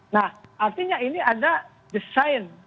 nah artinya ini ada desain